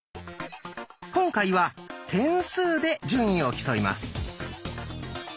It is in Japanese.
今回は点数で順位を競います。